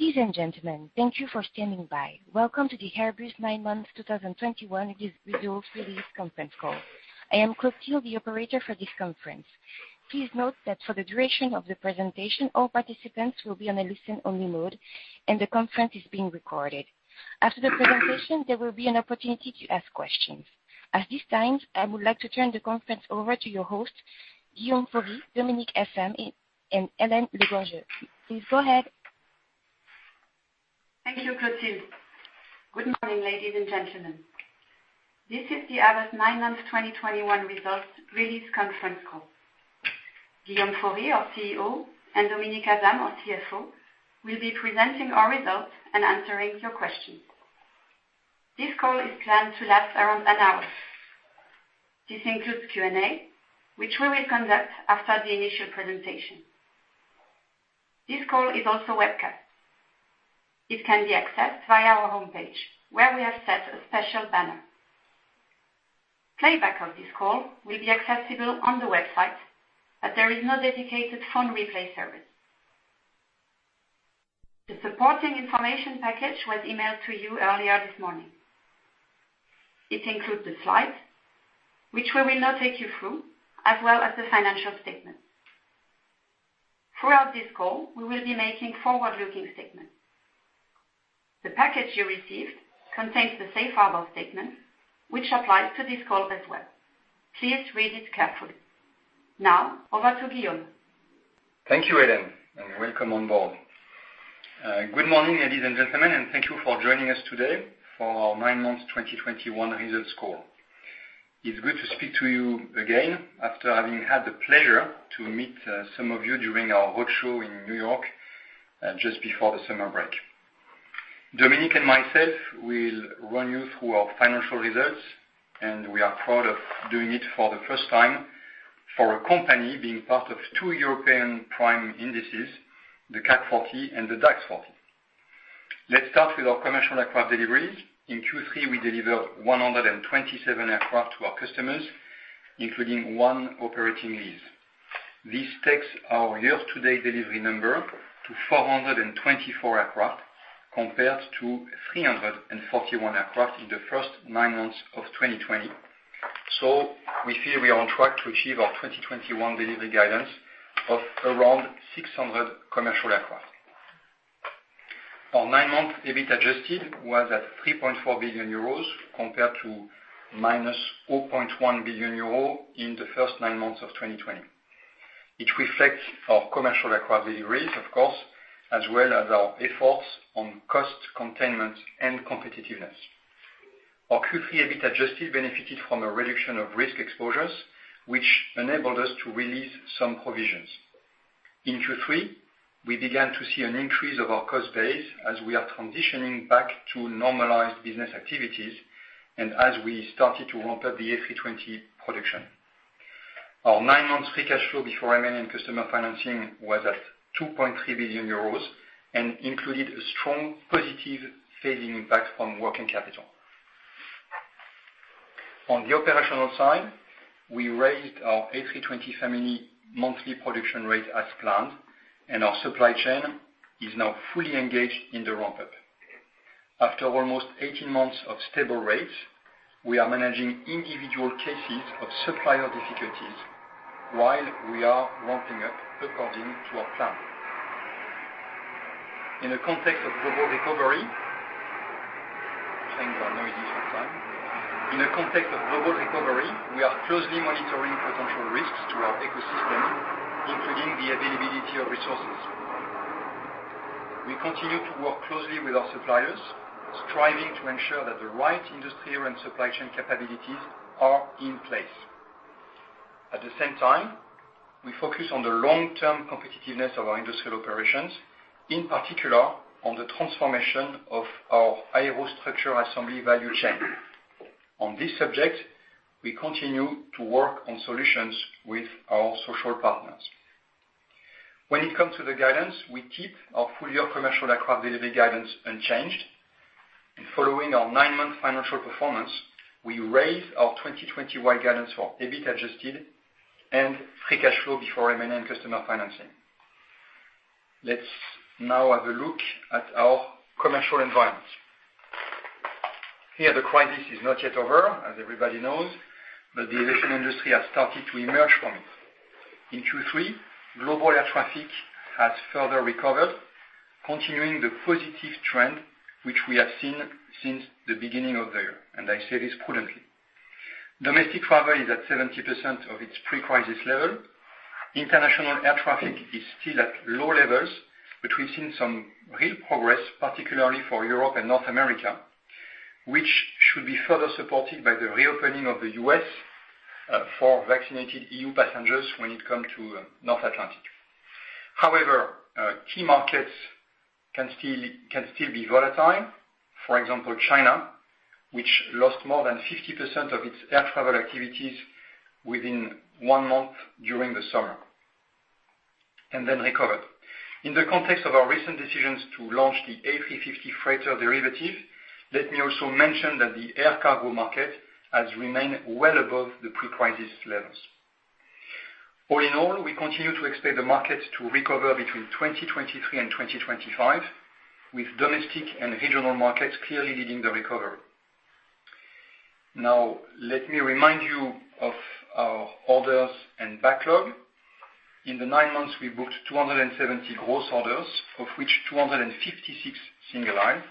Ladies and gentlemen, thank you for standing by. Welcome to the Airbus Nine Months 2021 Results Release Conference Call. I am Clotilde, the operator for this conference. Please note that for the duration of the presentation, all participants will be on a listen-only mode, and the conference is being recorded. After the presentation, there will be an opportunity to ask questions. At this time, I would like to turn the conference over to your host, Guillaume Faury, Dominik Asam, and Hélène Le Gorgeu. Please go ahead. Thank you, Clotilde. Good morning, ladies and gentlemen. This is the Airbus Nine Months 2021 Results Release Conference Call. Guillaume Faury, our CEO, and Dominik Asam, our CFO, will be presenting our results and answering your questions. This call is planned to last around an hour. This includes Q&A, which we will conduct after the initial presentation. This call is also webcast. It can be accessed via our homepage, where we have set a special banner. Playback of this call will be accessible on the website, but there is no dedicated phone replay service. The supporting information package was emailed to you earlier this morning. It includes the slides, which we will now take you through, as well as the financial statements. Throughout this call, we will be making forward-looking statements. The package you received contains the safe harbor statement, which applies to this call as well. Please read it carefully. Now over to Guillaume. Thank you, Hélène, and welcome on board. Good morning, ladies and gentlemen, and thank you for joining us today for our nine months 2021 results call. It's good to speak to you again after having had the pleasure to meet some of you during our road show in New York just before the summer break. Dominik and myself will run you through our financial results, and we are proud of doing it for the first time for a company being part of two European prime indices, the CAC 40 and the DAX 40. Let's start with our commercial aircraft delivery. In Q3, we delivered 127 aircraft to our customers, including one operating lease. This takes our year-to-date delivery number to 424 aircraft compared to 341 aircraft in the first nine months of 2020. We feel we are on track to achieve our 2021 delivery guidance of around 600 commercial aircraft. Our nine month EBIT Adjusted was at 3.4 billion euros compared to -0.1 billion euro in the first nine months of 2020. It reflects our commercial aircraft deliveries, of course, as well as our efforts on cost containment and competitiveness. Our Q3 EBIT Adjusted benefited from a reduction of risk exposures, which enabled us to release some provisions. In Q3, we began to see an increase of our cost base as we are transitioning back to normalized business activities and as we started to ramp up the A320 production. Our nine month free cash flow before M&A and customer financing was at 2.3 billion euros and included a strong positive funding impact on working capital. On the operational side, we raised our A320 Family monthly production rate as planned, and our supply chain is now fully engaged in the ramp-up. After almost 18 months of stable rates, we are managing individual cases of supplier difficulties while we are ramping up according to our plan. In the context of global recovery, sorry about the noise this time. In the context of global recovery, we are closely monitoring potential risks to our ecosystem, including the availability of resources. We continue to work closely with our suppliers, striving to ensure that the right industrial and supply chain capabilities are in place. At the same time, we focus on the long-term competitiveness of our industrial operations, in particular on the transformation of our aero structure assembly value chain. On this subject, we continue to work on solutions with our social partners. When it comes to the guidance, we keep our full-year commercial aircraft delivery guidance unchanged. Following our nine-month financial performance, we raise our 2021-wide guidance for EBIT Adjusted and free cash flow before M&A and customer financing. Let's now have a look at our commercial environment. Here, the crisis is not yet over, as everybody knows, but the aviation industry has started to emerge from it. In Q3, global air traffic has further recovered, continuing the positive trend which we have seen since the beginning of the year, and I say this prudently. Domestic travel is at 70% of its pre-crisis level. International air traffic is still at low levels, but we've seen some real progress, particularly for Europe and North America, which should be further supported by the reopening of the U.S. for vaccinated EU passengers when it comes to North Atlantic. However, key markets can still be volatile. For example, China, which lost more than 50% of its air travel activities within one month during the summer, and then recovered. In the context of our recent decisions to launch the A350 Freighter derivative, let me also mention that the air cargo market has remained well above the pre-crisis levels. All in all, we continue to expect the market to recover between 2023 and 2025, with domestic and regional markets clearly leading the recovery. Now, let me remind you of our orders and backlog. In the nine months, we booked 270 gross orders, of which 256 single aisle.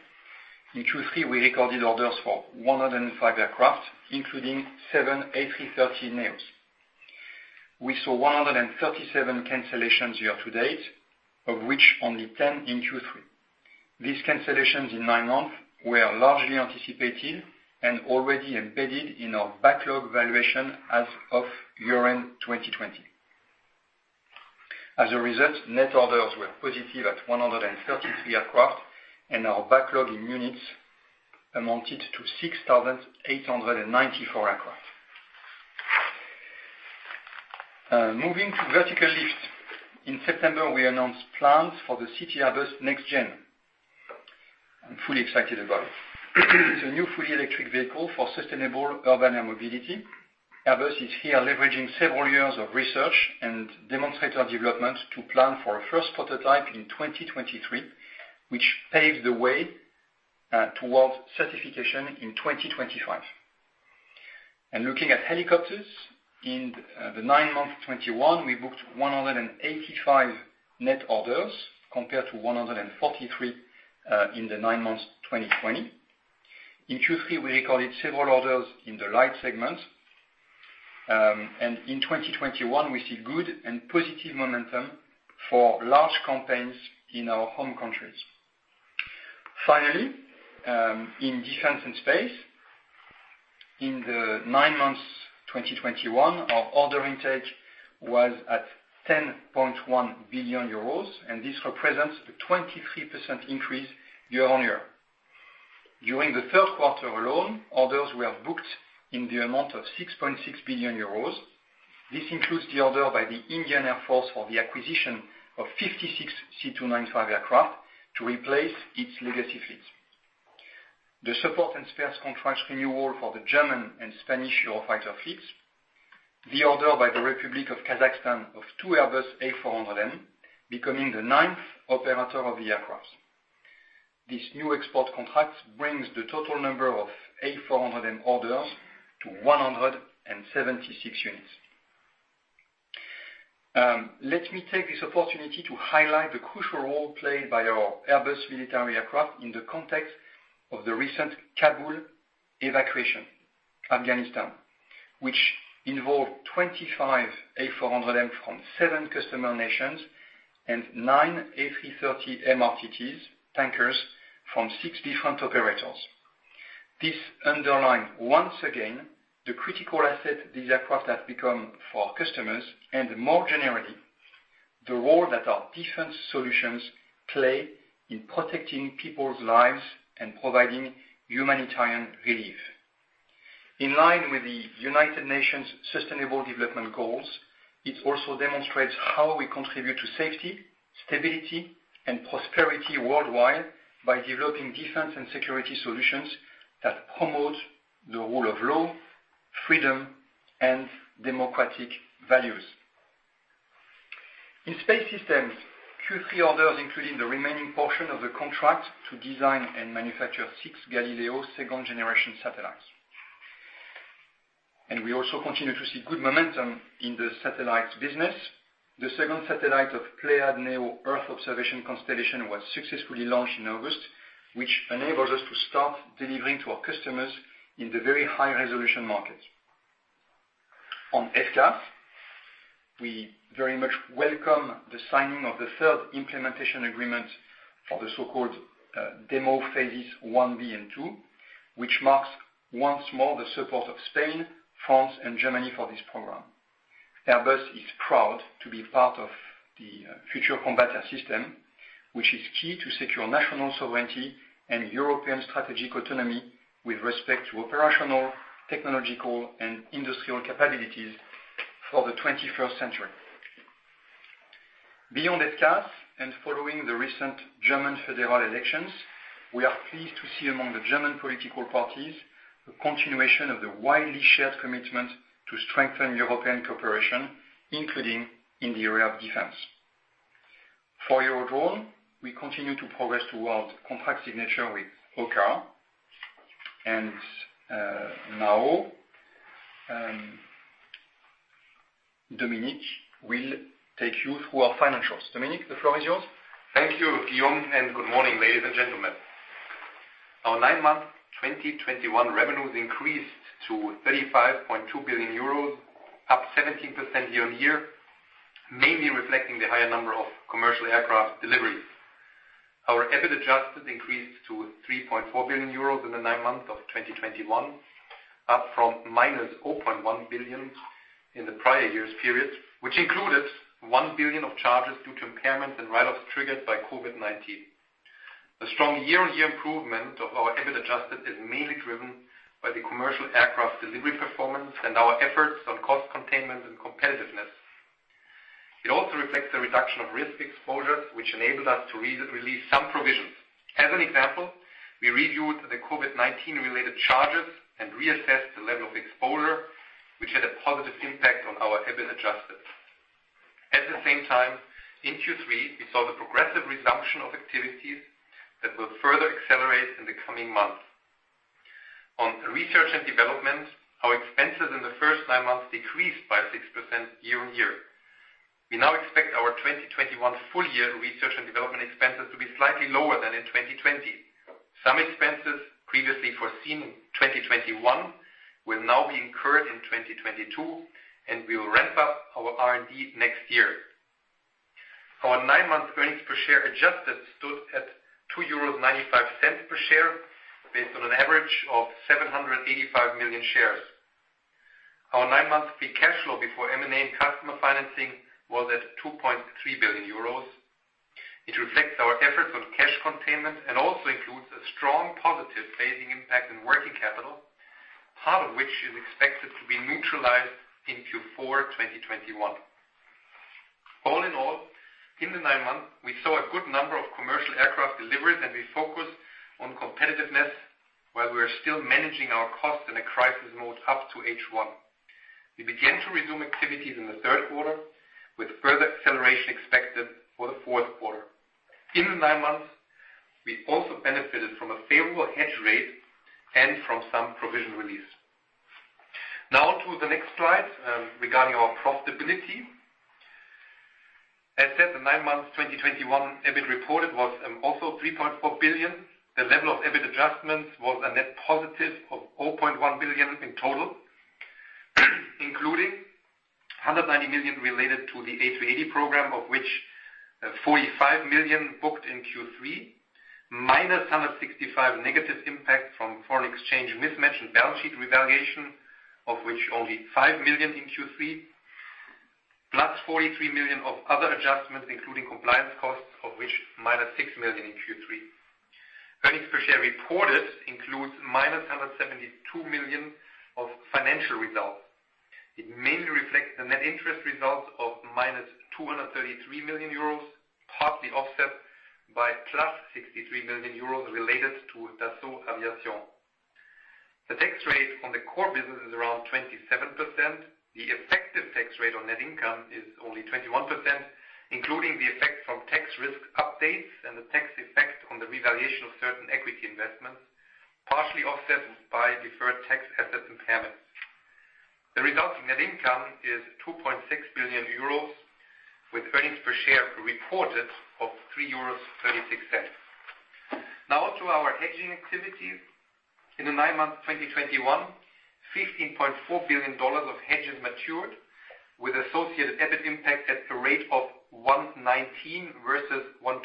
In Q3, we recorded orders for 105 aircraft, including 7 A330neos. We saw 137 cancellations year to date, of which only 10 in Q3. These cancellations in nine months were largely anticipated and already embedded in our backlog valuation as of year-end 2020. As a result, net orders were positive at 133 aircraft, and our backlog in units amounted to 6,894 aircraft. Moving to vertical lift. In September, we announced plans for the CityAirbus NextGen. I'm fully excited about it. It's a new fully electric vehicle for sustainable urban air mobility. Airbus is here leveraging several years of research and demonstrator development to plan for a first prototype in 2023, which paves the way towards certification in 2025. Looking at helicopters, in the nine months 2021, we booked 185 net orders compared to 143 in the nine months, 2020. In Q3, we recorded several orders in the light segment. In 2021, we see good and positive momentum for large campaigns in our home countries. Finally, in defense and space, in the nine months 2021, our order intake was at 10.1 billion euros, and this represents a 23% increase year-on-year. During the third quarter alone, orders were booked in the amount of 6.6 billion euros. This includes the order by the Indian Air Force for the acquisition of 56 C295 aircraft to replace its legacy fleet, the support and spares contracts renewal for the German and Spanish Eurofighter fleets, the order by the Republic of Kazakhstan of two Airbus A400M, becoming the ninth operator of the aircraft. This new export contract brings the total number of A400M orders to 176 units. Let me take this opportunity to highlight the crucial role played by our Airbus military aircraft in the context of the recent Kabul evacuation, Afghanistan, which involved 25 A400M from seven customer nations and nine A330 MRTTs tankers from six different operators. This underlined once again the critical asset these aircraft have become for our customers, and more generally, the role that our defense solutions play in protecting people's lives and providing humanitarian relief. In line with the United Nations Sustainable Development Goals, it also demonstrates how we contribute to safety, stability, and prosperity worldwide by developing defense and security solutions that promote the rule of law, freedom, and democratic values. In space systems, Q3 orders including the remaining portion of the contract to design and manufacture six Galileo second-generation satellites. We also continue to see good momentum in the satellites business. The second satellite of Pléiades Neo Earth observation constellation was successfully launched in August, which enables us to start delivering to our customers in the very high-resolution market. On FCAS, we very much welcome the signing of the third implementation agreement for the so-called demo phases IB and II, which marks once more the support of Spain, France, and Germany for this program. Airbus is proud to be part of the future combat air system, which is key to secure national sovereignty and European strategic autonomy with respect to operational, technological, and industrial capabilities for the twenty-first century. Beyond FCAS and following the recent German federal elections, we are pleased to see among the German political parties a continuation of the widely shared commitment to strengthen European cooperation, including in the area of defense. For Eurodrone, we continue to progress towards contract signature with OCCAR. Now, Dominik will take you through our financials. Dominik, the floor is yours. Thank you, Guillaume, and good morning, ladies and gentlemen. Our nine-month 2021 revenues increased to 35.2 billion euros, up 17% year-on-year, mainly reflecting the higher number of commercial aircraft deliveries. Our EBIT Adjusted increased to 3.4 billion euros in the nine months of 2021, up from -0.1 billion in the prior year's period, which included 1 billion of charges due to impairments and write-offs triggered by COVID-19. The strong year-on-year improvement of our EBIT Adjusted is mainly driven by the commercial aircraft delivery performance and our efforts on cost containment and competitiveness. It also reflects the reduction of risk exposure, which enabled us to re-release some provisions. As an example, we reviewed the COVID-19 related charges and reassessed the level of exposure, which had a positive impact on our EBIT Adjusted. At the same time, in Q3, we saw the progressive resumption of activities that will further accelerate in the coming months. On research and development, our expenses in the first nine months decreased by 6% year-on-year. We now expect our 2021 full year research and development expenses to be slightly lower than in 2020. Some expenses previously foreseen in 2021 will now be incurred in 2022, and we will ramp up our R&D next year. Our nine-month earnings per share adjusted stood at 2.95 euros per share based on an average of 785 million shares. Our nine-month free cash flow before M&A and customer financing was at 2.3 billion euros. It reflects our efforts on cash containment and also includes a strong positive phasing impact in working capital, part of which is expected to be neutralized in Q4 2021. All in all, in the nine months, we saw a good number of commercial aircraft deliveries, and we focused on competitiveness while we are still managing our costs in a crisis mode up to H1. We began to resume activities in the third quarter with further acceleration expected for the fourth quarter. In the nine months, we also benefited from a favorable hedge rate and from some provision release. Now on to the next slide, regarding our profitability. As said, the nine months 2021 EBIT reported was also 3.4 billion. The level of EBIT adjustments was a net positive of 0.1 billion in total, including 190 million related to the A380 program, of which 45 million booked in Q3, -165 million negative impact from foreign exchange mismatch and balance sheet revaluation, of which only 5 million in Q3, +43 million of other adjustments, including compliance costs, of which -6 million in Q3. Earnings per share reported includes -172 million of financial results. It mainly reflects the net interest results of -233 million euros, partly offset by +63 million euros related to Dassault Aviation. The tax rate on the core business is around 27%. The effective tax rate on net income is only 21%, including the effect from tax risk updates and the tax effect on the revaluation of certain equity investments, partially offset by deferred tax asset impairment. The resulting net income is 2.6 billion euros with earnings per share reported of 3.36 euros. Now to our hedging activities. In the nine months 2021, $15.4 billion of hedges matured with associated EBIT impact at a rate of 1.19 versus 1.20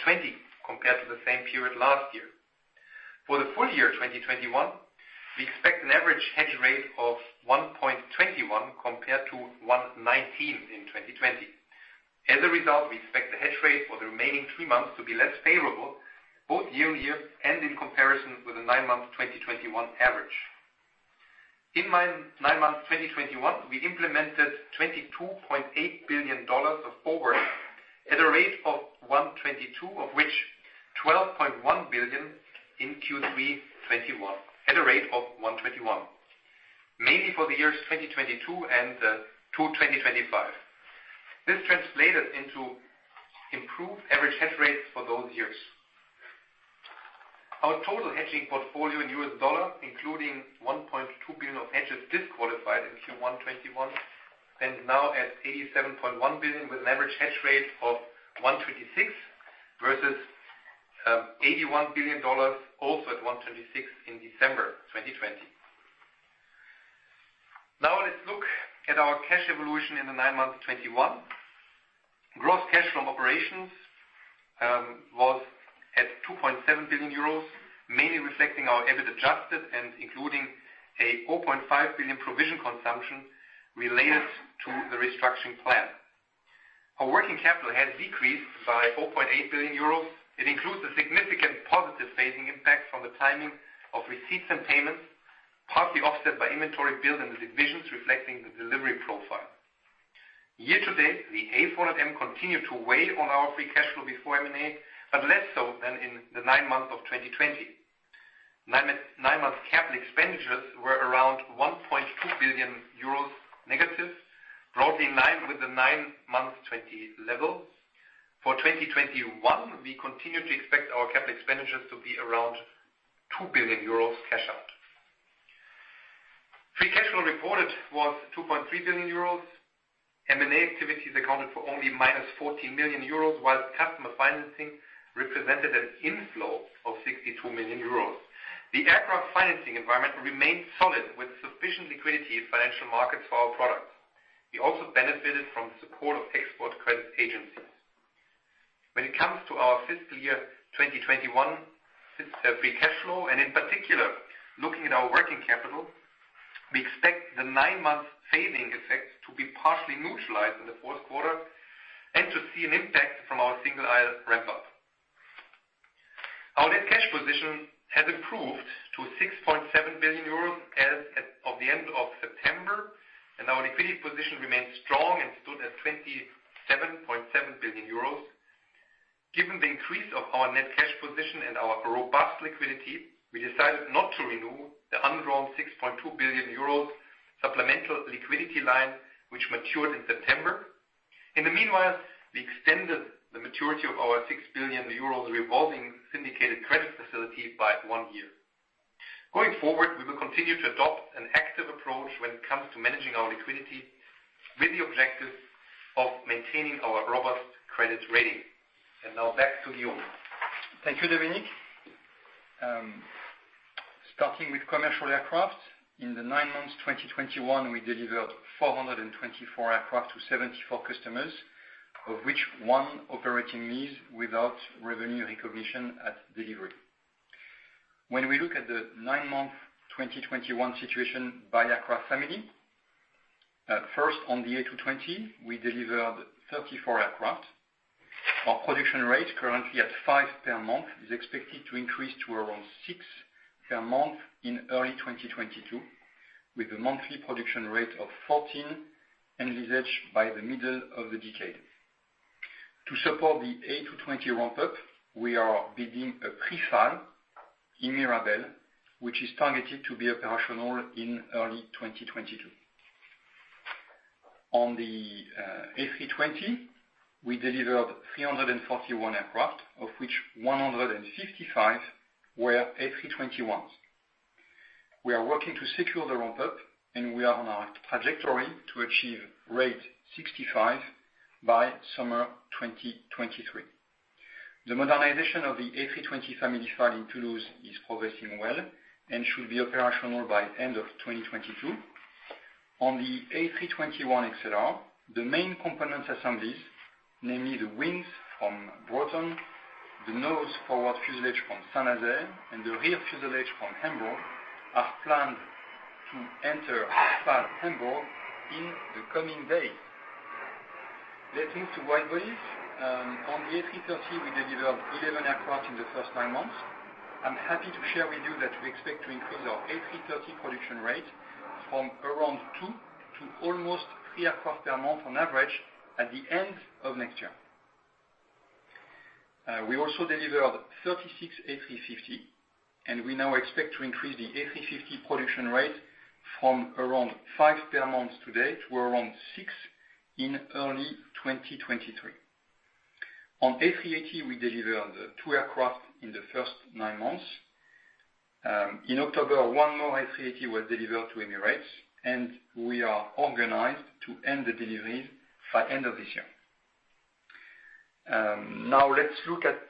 compared to the same period last year. For the full year 2021, we expect an average hedge rate of 1.21 compared to 1.19 in 2020. As a result, we expect the hedge rate for the remaining three months to be less favorable, both year-on-year and in comparison with the nine-month 2021 average. In nine months 2021, we implemented $22.8 billion of forwards at a rate of 1.22, of which $12.1 billion in Q3 2021 at a rate of 1.21, mainly for the years 2022 and to 2025. This translated into improved average hedge rates for those years. Our total hedging portfolio in U.S. dollar, including $1.2 billion of hedges disqualified in Q1 2021, stands now at $87.1 billion with an average hedge rate of 1.26 versus $81 billion, also at 1.26 in December 2020. Now let's look at our cash evolution in the nine months 2021. Gross cash from operations was at 2.7 billion euros, mainly reflecting our EBIT Adjusted and including a 4.5 billion provision consumption related to the restructuring plan. Our working capital has decreased by 4.8 billion euros. It includes a significant positive phasing impact from the timing of receipts and payments, partly offset by inventory build in the divisions reflecting the delivery profile. Year to date, the A400M continued to weigh on our free cash flow before M&A, but less so than in the nine months of 2020. Nine months capital expenditures were around 1.2 billion euros negative, broadly in line with the nine months 2020 level. For 2021, we continue to expect our capital expenditures to be around 2 billion euros cash out. Free cash flow reported was 2.3 billion euros. M&A activities accounted for only -14 million euros, while customer financing represented an inflow of 62 million euros. The aircraft financing environment remains solid with sufficient liquidity in financial markets for our products. We also benefited from the support of export credit agencies. When it comes to our fiscal year 2021 free cash flow and in particular looking at our working capital, we expect the nine-month phasing effect to be partially neutralized in the fourth quarter and to see an impact from our single-aisle ramp-up. Position has improved to 6.7 billion euros as of the end of September, and our liquidity position remains strong and stood at 27.7 billion euros. Given the increase of our net cash position and our robust liquidity, we decided not to renew the undrawn 6.2 billion euros supplemental liquidity line, which matured in September. In the meanwhile, we extended the maturity of our 6 billion euros revolving syndicated credit facility by one year. Going forward, we will continue to adopt an active approach when it comes to managing our liquidity with the objective of maintaining our robust credit rating. Now back to Guillaume. Thank you, Dominik. Starting with commercial aircraft. In the nine months 2021, we delivered 424 aircraft to 74 customers, of which one operating lease without revenue recognition at delivery. When we look at the nine-month 2021 situation by aircraft family, first, on the A220, we delivered 34 aircraft. Our production rate, currently at five per month, is expected to increase to around six per month in early 2022, with a monthly production rate of 14 envisaged by the middle of the decade. To support the A220 ramp-up, we are building a pre-FAL in Mirabel, which is targeted to be operational in early 2022. On the A320, we delivered 341 aircraft, of which 155 were A321s. We are working to secure the ramp-up, and we are on our trajectory to achieve rate 65 by summer 2023. The modernization of the A320 Family FAL in Toulouse is progressing well and should be operational by end of 2022. On the A321XLR, the main components assemblies, namely the wings from Broughton, the nose forward fuselage from Saint-Nazaire, and the rear fuselage from Hamburg, are planned to enter FAL Hamburg in the coming days. Let's move to wide-bodies. On the A330, we delivered 11 aircraft in the first nine months. I'm happy to share with you that we expect to increase our A330 production rate from around two to almost three aircraft per month on average at the end of next year. We also delivered 36 A350, and we now expect to increase the A350 production rate from around five per month today to around six in early 2023. On A380, we delivered two aircraft in the first nine months. In October, one more A380 was delivered to Emirates, and we are organized to end the deliveries by end of this year. Now let's look at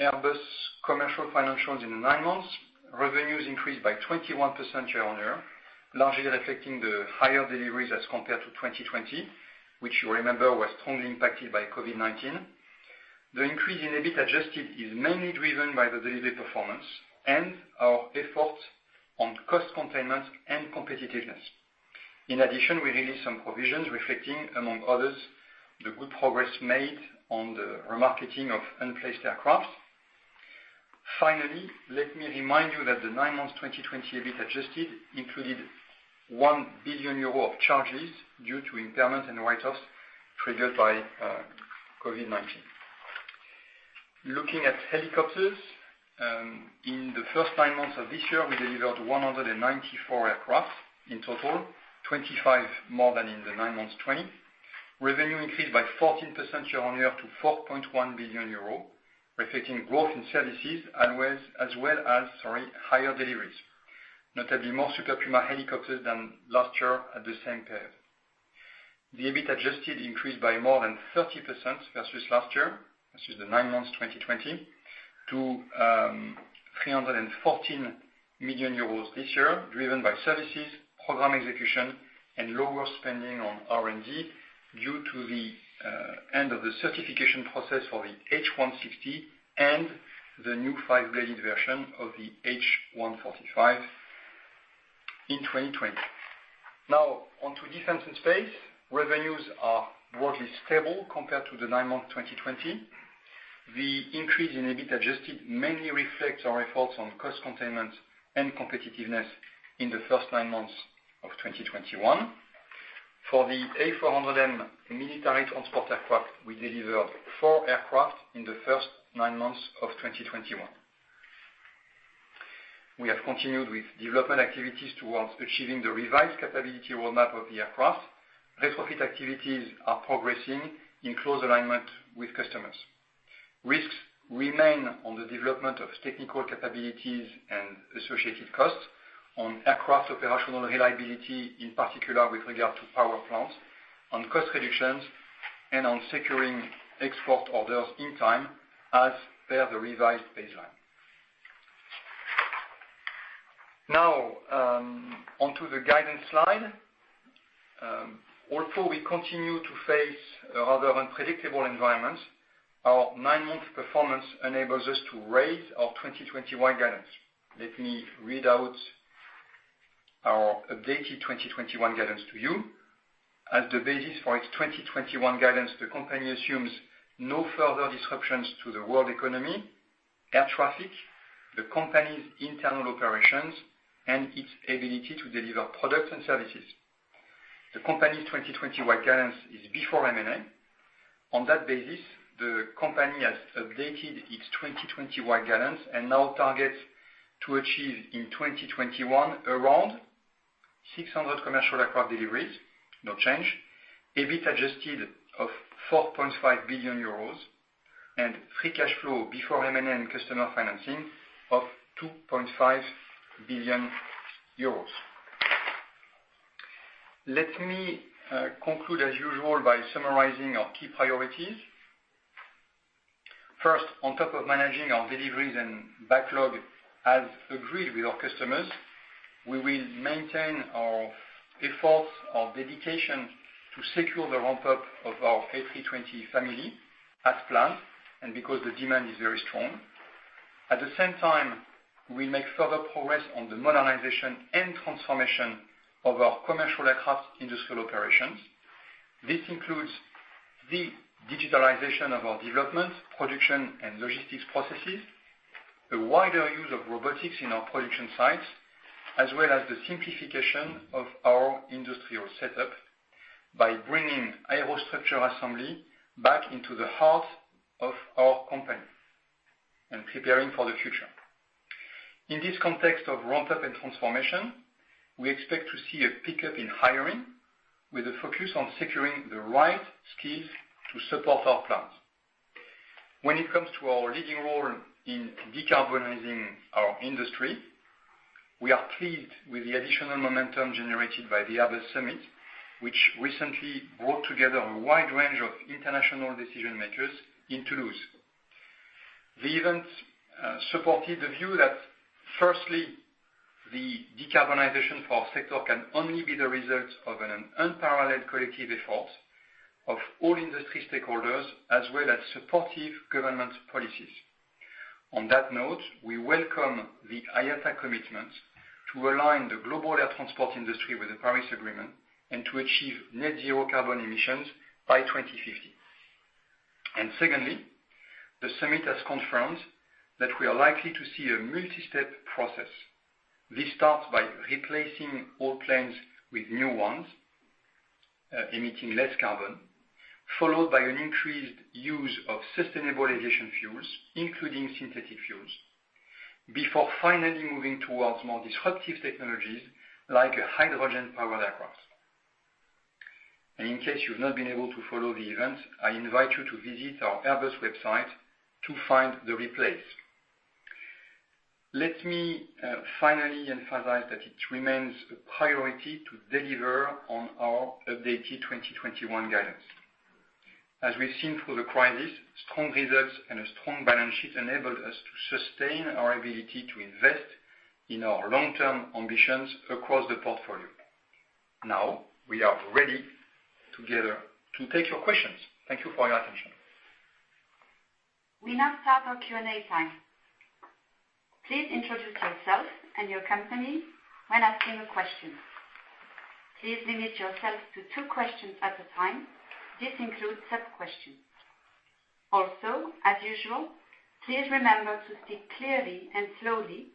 Airbus commercial financials in the nine months. Revenues increased by 21% year-on-year, largely reflecting the higher deliveries as compared to 2020, which you remember was strongly impacted by COVID-19. The increase in EBIT Adjusted is mainly driven by the delivery performance and our effort on cost containment and competitiveness. In addition, we released some provisions reflecting, among others, the good progress made on the remarketing of unplaced aircraft. Finally, let me remind you that the nine months 2020 EBIT Adjusted included 1 billion euro of charges due to impairment and write-offs triggered by COVID-19. Looking at helicopters, in the first nine months of this year, we delivered 194 aircraft in total, 25 more than in the nine months 2020. Revenue increased by 14% year-on-year to 4.1 billion euro, reflecting growth in services as well as higher deliveries. Notably, more Super Puma helicopters than last year at the same period. The EBIT Adjusted increased by more than 30% versus last year, versus the nine months 2020, to 314 million euros this year, driven by services, program execution, and lower spending on R&D due to the end of the certification process for the H160 and the new five-bladed version of the H145 in 2020. Now on to Defense and Space. Revenues are broadly stable compared to the nine-month 2020. The increase in EBIT Adjusted mainly reflects our efforts on cost containment and competitiveness in the first nine months of 2021. For the A400M military transport aircraft, we delivered four aircraft in the first nine months of 2021. We have continued with development activities towards achieving the revised capability roadmap of the aircraft. Retrofit activities are progressing in close alignment with customers. Risks remain on the development of technical capabilities and associated costs on aircraft operational reliability, in particular with regard to power plants, on cost reductions, and on securing export orders in time as per the revised baseline. Now, onto the guidance slide. Although we continue to face a rather unpredictable environment, our nine-month performance enables us to raise our 2021 guidance. Let me read out our updated 2021 guidance to you. As the basis for its 2021 guidance, the company assumes no further disruptions to the world economy, air traffic, the company's internal operations, and its ability to deliver products and services. The company's 2021 guidance is before M&A. On that basis, the company has updated its 2021 guidance and now targets to achieve in 2021 around 600 commercial aircraft deliveries, no change, EBIT Adjusted of 4.5 billion euros, and free cash flow before M&A and customer financing of 2.5 billion euros. Let me conclude as usual by summarizing our key priorities. First, on top of managing our deliveries and backlog as agreed with our customers, we will maintain our efforts, our dedication to secure the ramp up of our A320 Family as planned and because the demand is very strong. At the same time, we make further progress on the modernization and transformation of our commercial aircraft industrial operations. This includes the digitalization of our development, production and logistics processes, a wider use of robotics in our production sites, as well as the simplification of our industrial setup by bringing aerostructure assembly back into the heart of our company and preparing for the future. In this context of ramp up and transformation, we expect to see a pickup in hiring with a focus on securing the right skills to support our plans. When it comes to our leading role in decarbonizing our industry, we are pleased with the additional momentum generated by the Airbus Summit, which recently brought together a wide range of international decision makers in Toulouse. The event supported the view that firstly, the decarbonization for our sector can only be the result of an unparalleled collective effort of all industry stakeholders as well as supportive government policies. On that note, we welcome the IATA commitment to align the global air transport industry with the Paris Agreement and to achieve net zero carbon emissions by 2050. Secondly, the summit has confirmed that we are likely to see a multistep process. This starts by replacing old planes with new ones emitting less carbon, followed by an increased use of sustainable aviation fuels, including synthetic fuels, before finally moving towards more disruptive technologies like a hydrogen-powered aircraft. In case you've not been able to follow the event, I invite you to visit our Airbus website to find the replays. Let me finally emphasize that it remains a priority to deliver on our updated 2021 guidance. As we've seen through the crisis, strong results and a strong balance sheet enabled us to sustain our ability to invest in our long-term ambitions across the portfolio. Now, we are ready together to take your questions. Thank you for your attention. We now start our Q&A time. Please introduce yourself and your company when asking a question. Please limit yourself to two questions at a time. This includes sub-questions. Also, as usual, please remember to speak clearly and slowly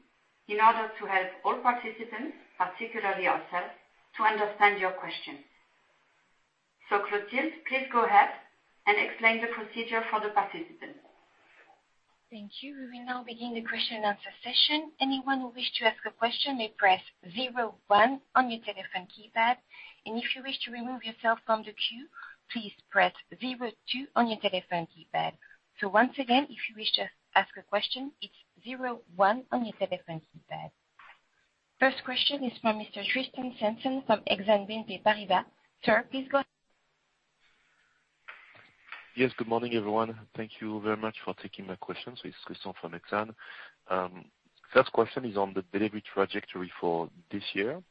in order to help all participants, particularly ourselves, to understand your questions. Clotilde, please go ahead and explain the procedure for the participants. Thank you. We will now begin the question and answer session. Anyone who wish to ask a question may press zero one on your telephone keypad. If you wish to remove yourself from the queue, please press zero two on your telephone keypad. Once again, if you wish to ask a question, it's zero one on your telephone keypad. First question is from Mr. Tristan Sanson from Exane BNP Paribas. Sir, please go ahead. Yes, good morning, everyone. Thank you very much for taking my questions. It's Tristan from Exane. First question is on the delivery trajectory for this year.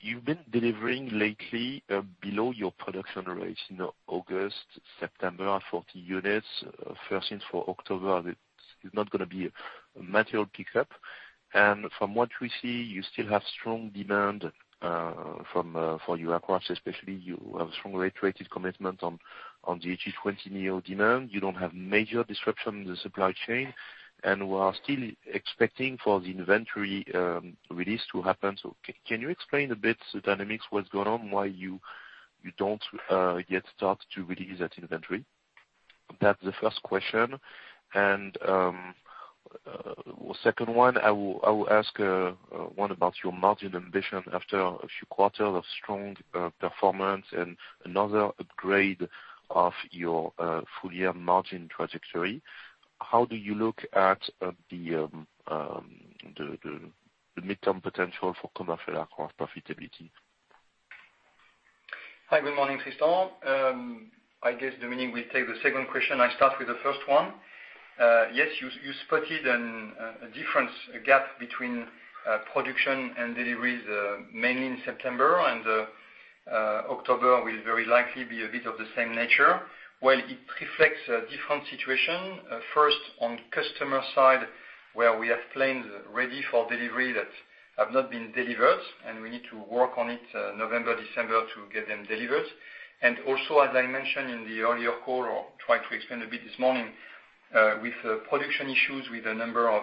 You've been delivering lately below your production rates in August, September, 40 units. First in for October, it's not gonna be a material pickup. From what we see, you still have strong demand from for your aircraft, especially you have strong rated commitment on the A320neo demand. You don't have major disruption in the supply chain, and we are still expecting for the inventory release to happen. Can you explain a bit the dynamics, what's going on, why you don't yet start to release that inventory? That's the first question. Second one, I will ask one about your margin ambition after a few quarters of strong performance and another upgrade of your full year margin trajectory. How do you look at the midterm potential for commercial aircraft profitability? Hi, good morning, Tristan. I guess, Dominik will take the second question. I start with the first one. Yes, you spotted a difference, a gap between production and deliveries, mainly in September and October will very likely be a bit of the same nature, while it reflects a different situation. First, on customer side, where we have planes ready for delivery that have not been delivered, and we need to work on it, November, December to get them delivered. Also, as I mentioned in the earlier call or tried to explain a bit this morning, with production issues with a number of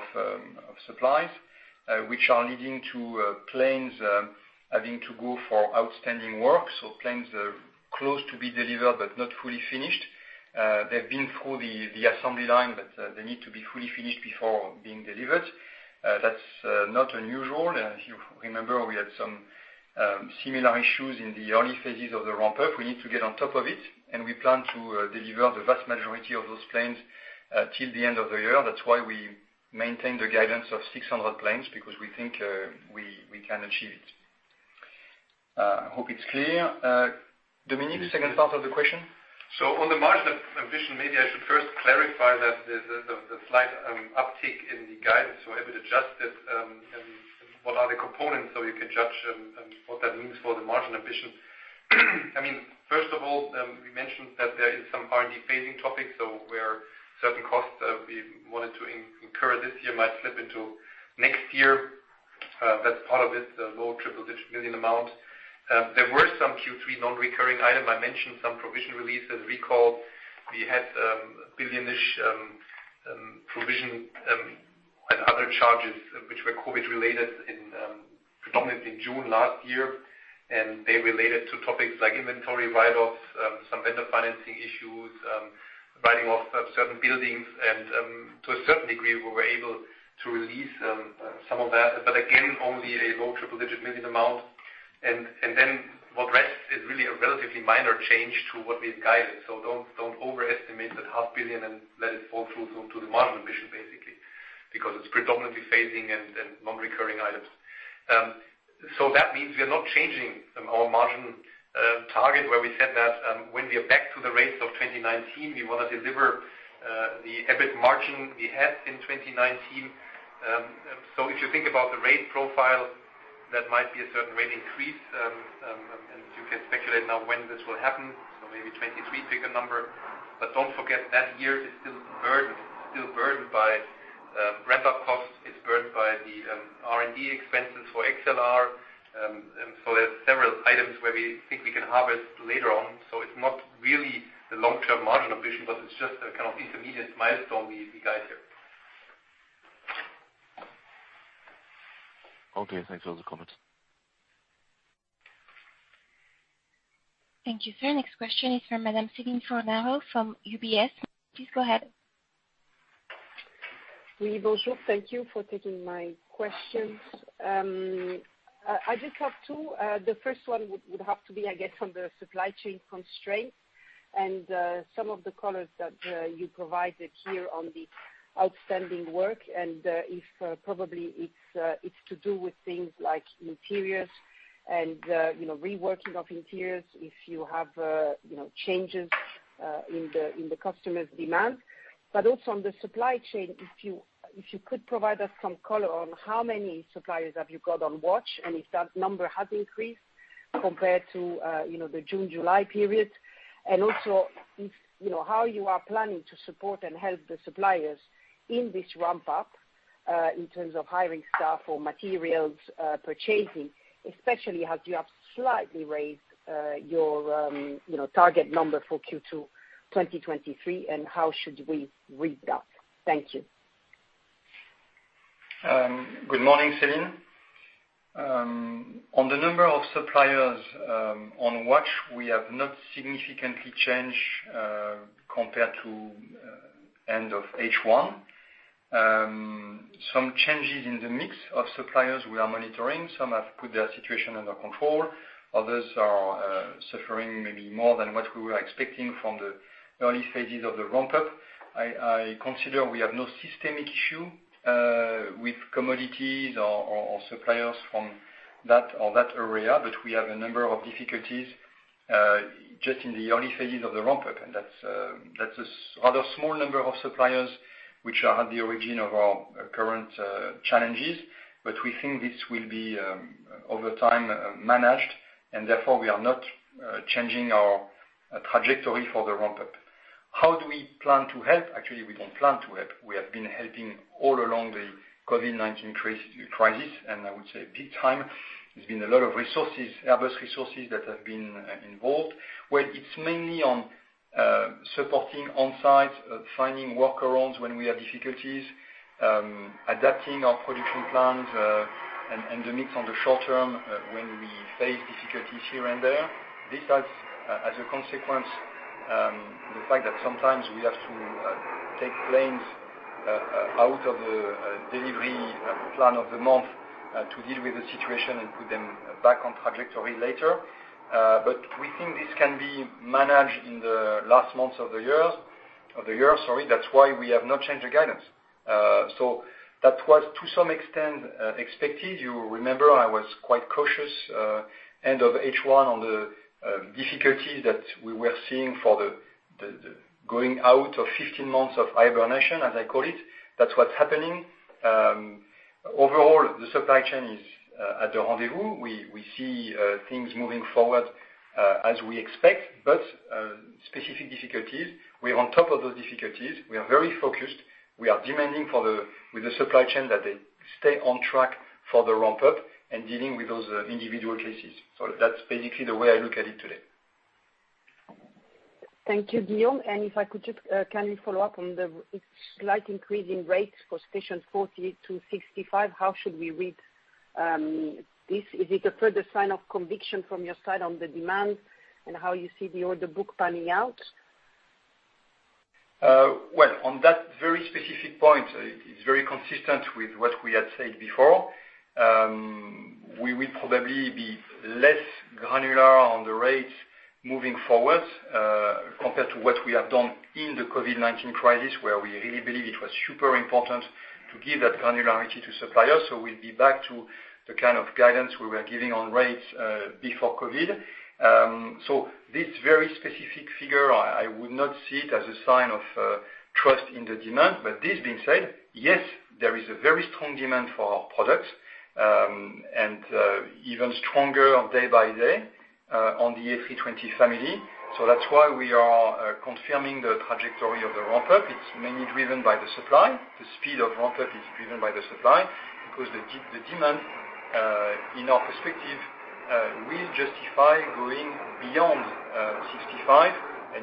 suppliers, which are leading to planes having to go for outstanding work. Planes close to be delivered but not fully finished. They've been through the assembly line, but they need to be fully finished before being delivered. That's not unusual. If you remember, we had some similar issues in the early phases of the ramp up. We need to get on top of it, and we plan to deliver the vast majority of those planes till the end of the year. That's why we maintain the guidance of 600 planes, because we think we can achieve it. I hope it's clear. Dominik, the second part of the question? On the margin ambition, maybe I should first clarify that the slight uptick in the guidance or EBIT Adjusted, and what are the components, so you can judge what that means for the margin ambition. I mean, first of all, we mentioned that there is some R&D phasing topics, so where certain costs that we wanted to incur this year might slip into next year. That's part of it, the low triple-digit million amount. There were some Q3 non-recurring items. I mentioned some provision releases. Recall we had billion-ish provision and other charges which were COVID related in predominantly in June last year, and they related to topics like inventory write-offs, some vendor financing issues, writing off certain buildings. To a certain degree, we were able to release some of that, but again, only a low triple-digit million EUR amount. Then what rests is really a relatively minor change to what we've guided. Don't overestimate that 0.5 billion and let it fall through to the margin ambition, basically, because it's predominantly phasing and non-recurring items. That means we are not changing our margin target, where we said that when we are back to the rates of 2019, we want to deliver the EBIT margin we had in 2019. If you think about the rate profile, that might be a certain rate increase. You can speculate now when this will happen, so maybe 2023, pick a number. Don't forget that year is still burdened by ramp-up costs. It's burdened by the R&D expenses for A321XLR. There are several items where we think we can harvest later on. It's not really the long-term margin ambition, but it's just a kind of intermediate milestone we guide here. Okay, thanks for those comments. Thank you, sir. Next question is from Madame Celine Fornaro from UBS. Please go ahead. Thank you for taking my questions. I just have two. The first one would have to be, I guess, on the supply chain constraints and some of the colors that you provided here on the outstanding work, and if probably it's to do with things like interiors and you know, reworking of interiors, if you have you know, changes in the customers' demand. Also on the supply chain, if you could provide us some color on how many suppliers you have got on watch and if that number has increased compared to you know, the June-July period. Also if, you know, how you are planning to support and help the suppliers in this ramp up, in terms of hiring staff or materials, purchasing, especially as you have slightly raised, your, you know, target number for Q2 2023, and how should we read that? Thank you. Good morning, Celine. On the number of suppliers on watch, we have not significantly changed compared to end of H1. Some changes in the mix of suppliers we are monitoring. Some have put their situation under control. Others are suffering maybe more than what we were expecting from the early phases of the ramp up. I consider we have no systemic issue with commodities or suppliers from that area. We have a number of difficulties just in the early phases of the ramp up, and that's a rather small number of suppliers which are at the origin of our current challenges. We think this will be, over time, managed, and therefore we are not changing our trajectory for the ramp up. How do we plan to help? Actually, we don't plan to help. We have been helping all along the COVID-19 crisis, and I would say big time. There's been a lot of resources, Airbus resources that have been involved. Well, it's mainly on supporting on site, finding workarounds when we have difficulties, adapting our production plans, and the mix on the short term, when we face difficulties here and there. This has, as a consequence, the fact that sometimes we have to take planes out of the delivery plan of the month, to deal with the situation and put them back on trajectory later. But we think this can be managed in the last months of the year. That's why we have not changed the guidance. So that was to some extent expected. You remember I was quite cautious end of H1 on the difficulty that we were seeing for the going out of 15 months of hibernation, as I call it. That's what's happening. Overall, the supply chain is at the rendezvous. We see things moving forward as we expect, but specific difficulties, we're on top of those difficulties. We are very focused. We are demanding with the supply chain that they stay on track for the ramp up and dealing with those individual cases. So that's basically the way I look at it today. Thank you, Guillaume. If I could just kindly follow up on the slight increase in rates for station 40-65, how should we read this? Is it a further sign of conviction from your side on the demand and how you see the order book panning out? Well, on that very specific point, it's very consistent with what we had said before. We will probably be less granular on the rates moving forward, compared to what we have done in the COVID-19 crisis, where we really believe it was super important to give that granularity to suppliers. We'll be back to the kind of guidance we were giving on rates, before COVID. This very specific figure, I would not see it as a sign of trust in the demand. This being said, yes, there is a very strong demand for our products, and even stronger day by day, on the A320 Family. That's why we are confirming the trajectory of the ramp up. It's mainly driven by the supply. The speed of ramp up is driven by the supply because the demand, in our perspective, will justify going beyond 65.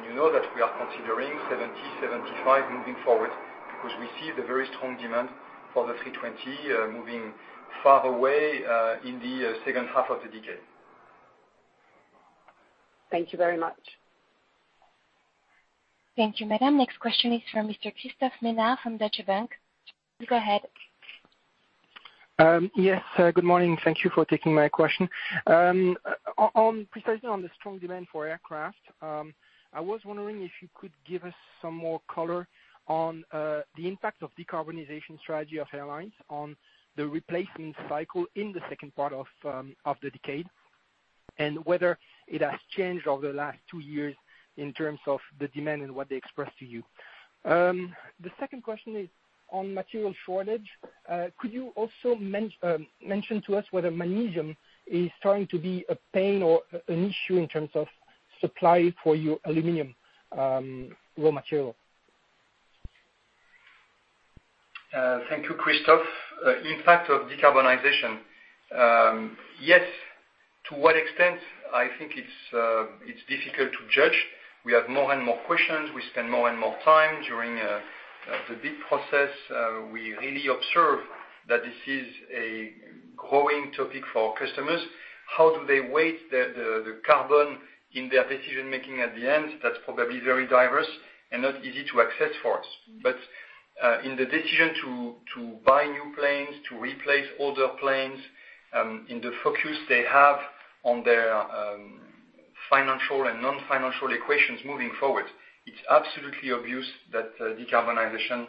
You know that we are considering 70, 75 moving forward because we see the very strong demand for the A320 moving forward in the second half of the decade. Thank you very much. Thank you, madam. Next question is from Mr. Christophe Menard from Deutsche Bank. Please go ahead. Yes, good morning. Thank you for taking my question. Precisely on the strong demand for aircraft, I was wondering if you could give us some more color on the impact of decarbonization strategy of airlines on the replacement cycle in the second part of the decade, and whether it has changed over the last two years in terms of the demand and what they expressed to you. The second question is on material shortage. Could you also mention to us whether magnesium is starting to be a pain or an issue in terms of supply for your aluminum raw material? Thank you, Christophe. Impact of decarbonization. Yes, to what extent, I think it's difficult to judge. We have more and more questions. We spend more and more time during the bid process. We really observe that this is a growing topic for our customers. How do they weight the carbon in their decision-making at the end? That's probably very diverse and not easy to assess for us. In the decision to buy new planes, to replace older planes, in the focus they have on their financial and non-financial equations moving forward, it's absolutely obvious that decarbonization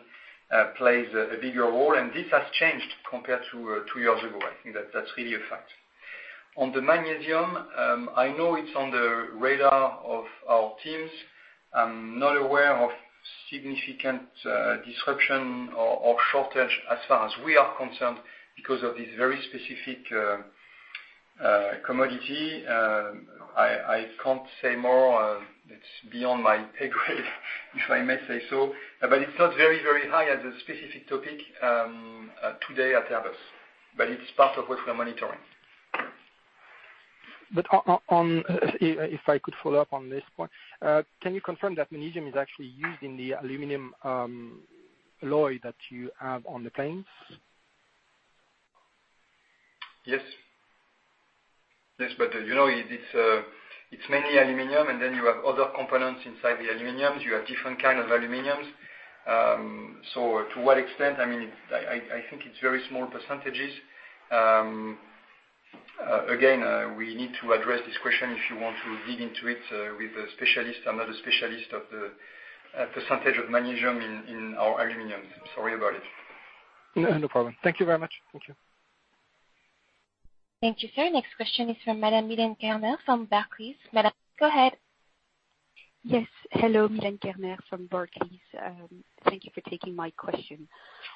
plays a bigger role, and this has changed compared to two years ago. I think that's really a fact. On the magnesium, I know it's on the radar of our teams. I'm not aware of significant disruption or shortage as far as we are concerned because of this very specific commodity. I can't say more. It's beyond my pay grade, if I may say so, but it's not very high as a specific topic today at Airbus, but it's part of what we're monitoring. If I could follow up on this point, can you confirm that magnesium is actually used in the aluminum alloy that you have on the planes? Yes. Yes, but, you know, it's mainly aluminum, and then you have other components inside the aluminums. You have different kind of aluminums. To what extent? I mean, I think it's very small percentages. Again, we need to address this question if you want to dig into it, with a specialist. I'm not a specialist of the percentage of magnesium in our aluminum. Sorry about it. No, no problem. Thank you very much. Thank you. Thank you, sir. Next question is from Madame Milène Kerner from Barclays. Madame, go ahead. Yes. Hello, Milène Kerner from Barclays. Thank you for taking my question.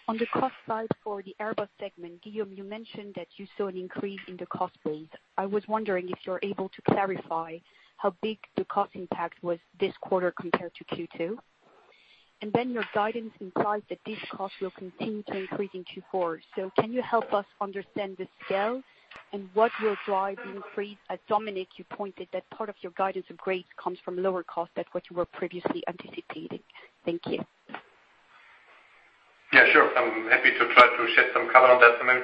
On the cost side for the Airbus segment, Guillaume, you mentioned that you saw an increase in the cost base. I was wondering if you're able to clarify how big the cost impact was this quarter compared to Q2. Your guidance implies that this cost will continue to increase in Q4. Can you help us understand the scale and what will drive the increase? As Dominik, you pointed that part of your guidance of growth comes from lower cost than what you were previously anticipating. Thank you. Yeah, sure. I'm happy to try to shed some color on that. I mean,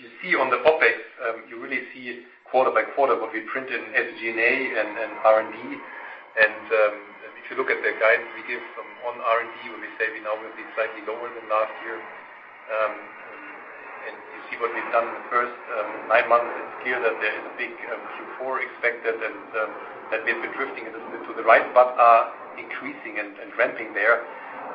you see on the OpEx, you really see quarter by quarter what we print in SG&A and R&D. If you look at the guidance we give on R&D, we say we now will be slightly lower than last year. You see what we've done in the first nine months, it's clear that there is a big Q4 effect that we're not to the right, but increasing and ramping there.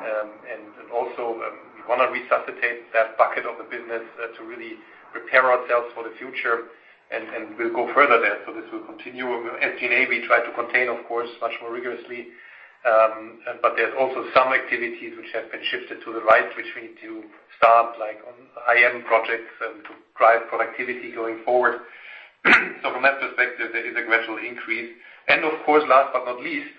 We want to resuscitate that bucket of the business to really prepare ourselves for the future, and we'll go further there. This will continue. With SG&A, we try to contain, of course, much more rigorously. There's also some activities which have been shifted to the right, which we need to start, like on IT projects and to drive productivity going forward. From that perspective, there is a gradual increase. Of course, last but not least,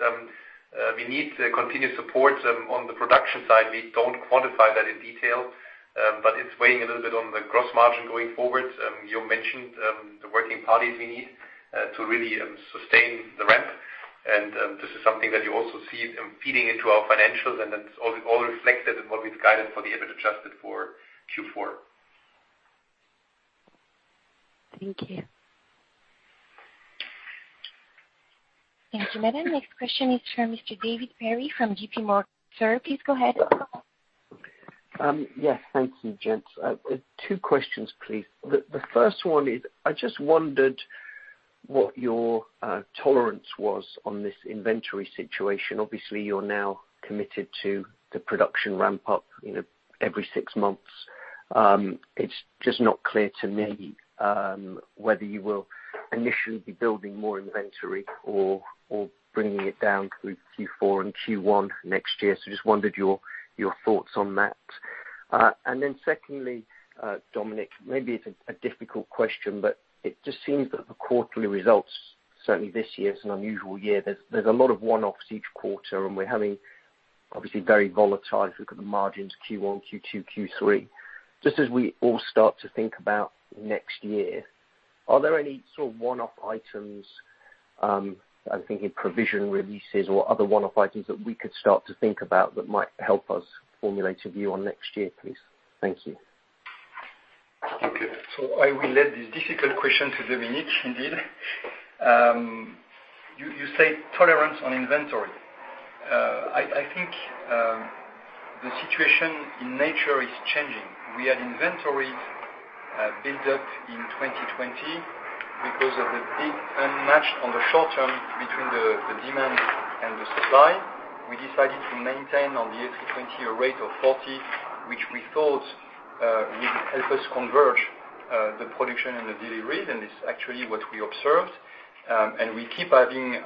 we need the continued support on the production side. We don't quantify that in detail, but it's weighing a little bit on the gross margin going forward. You mentioned the working parties we need to really sustain the ramp, and this is something that you also see feeding into our financials, and it's all reflected in what we've guided for the EBIT Adjusted for Q4. Thank you. Thank you, Madame. Next question is from Mr. David Perry from JPMorgan. Sir, please go ahead. Yes, thank you, gents. Two questions, please. The first one is, I just wondered what your tolerance was on this inventory situation. Obviously, you're now committed to the production ramp-up, you know, every six months. It's just not clear to me whether you will initially be building more inventory or bringing it down through Q4 and Q1 next year. Just wondered your thoughts on that. And then secondly, Dominik, maybe it's a difficult question, but it just seems that the quarterly results, certainly this year, it's an unusual year. There's a lot of one-offs each quarter, and we're having obviously very volatile. If you look at the margins, Q1, Q2, Q3. Just as we all start to think about next year, are there any sort of one-off items, I'm thinking provision releases or other one-off items that we could start to think about that might help us formulate a view on next year, please? Thank you. Okay. I will let this difficult question to Dominik, indeed. You say tolerance on inventory. I think the situation in nature is changing. We had inventory build up in 2020 because of the big mismatch on the short-term between the demand and the supply. We decided to maintain on the A320 a rate of 40, which we thought would help us converge the production and the deliveries, and it's actually what we observed. We keep having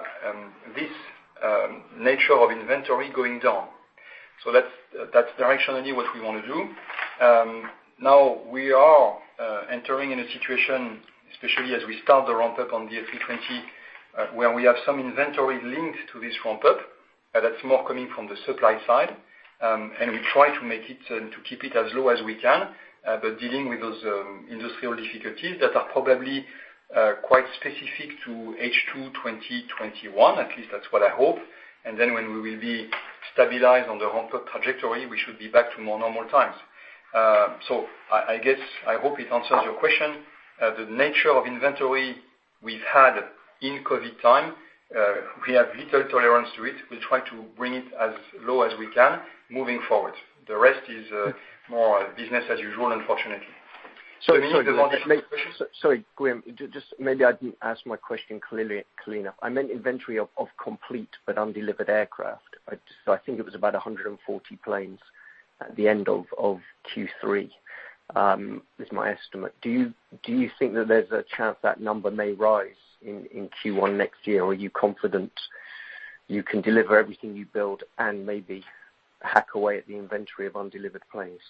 this nature of inventory going down. That's directionally what we wanna do. Now we are entering in a situation, especially as we start the ramp-up on the A320, where we have some inventory linked to this ramp-up, and that's more coming from the supply side. We try to make it and to keep it as low as we can, but dealing with those industrial difficulties that are probably quite specific to H2 2021, at least that's what I hope. When we will be stabilized on the ramp-up trajectory, we should be back to more normal times. I guess I hope it answers your question. The nature of inventory we've had in COVID time, we have little tolerance to it. We try to bring it as low as we can moving forward. The rest is more business as usual, unfortunately. Sorry, Guillaume. Just maybe I didn't ask my question clearly enough. I meant inventory of complete but undelivered aircraft. I think it was about 140 planes at the end of Q3, is my estimate. Do you think that there's a chance that number may rise in Q1 next year? Or are you confident you can deliver everything you build and maybe hack away at the inventory of undelivered planes?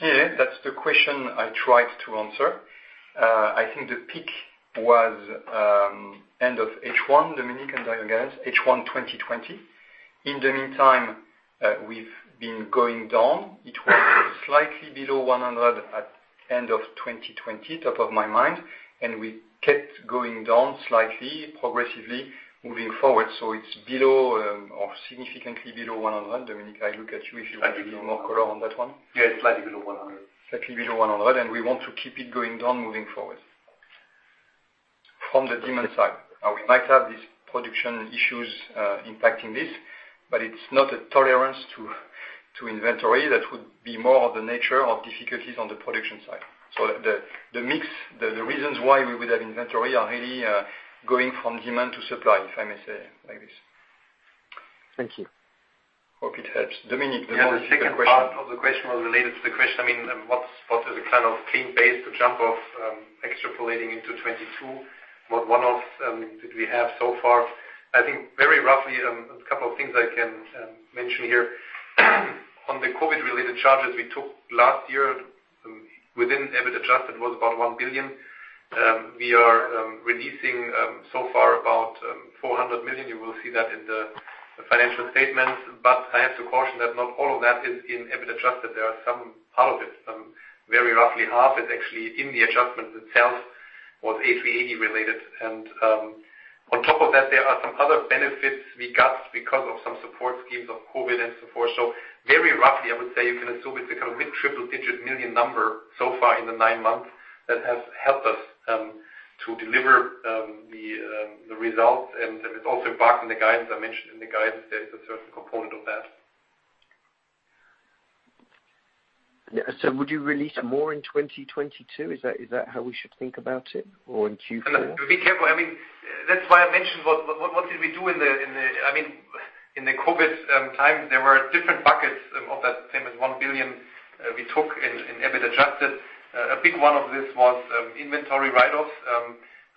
Yeah. That's the question I tried to answer. I think the peak was end of H1, Dominik, and I guess H1 2020. In the meantime, we've been going down. It was slightly below 100 at end of 2020, top of my mind, and we kept going down slightly, progressively moving forward. It's below, or significantly below 100. Dominik, I look at you if you want to give more color on that one. Yeah, slightly below 100. Slightly below 100, and we want to keep it going down moving forward from the demand side. Now, we might have these production issues impacting this, but it's not a tolerance to inventory. That would be more of the nature of difficulties on the production side. The mix, the reasons why we would have inventory are really going from demand to supply, if I may say it like this. Thank you. Hope it helps. Dominik, the more difficult question. Yeah, the second part of the question was related to the question, I mean, what is the kind of clean base to jump off, extrapolating into 2022? What one-offs did we have so far? I think very roughly, a couple of things I can mention here. On the COVID-related charges we took last year within EBIT Adjusted was about 1 billion. We are releasing so far about 400 million. You will see that in the financial statements. But I have to caution that not all of that is in EBIT Adjusted. There are some, part of it, very roughly half is actually in the adjustment itself, was A380 related. On top of that, there are some other benefits we got because of some support schemes of COVID and so forth. Very roughly, I would say you can assume it's a kind of mid-triple-digit million number so far in the nine months that has helped us to deliver the results. It's also embedded in the guidance. I mentioned in the guidance there is a certain component of that. Yeah. Would you release more in 2022? Is that how we should think about it, or in Q4? Be careful. I mean, that's why I mentioned what we did in the COVID time. There were different buckets of that same as 1 billion we took in EBIT adjusted. A big one of this was inventory write-offs.